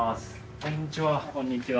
こんにちは。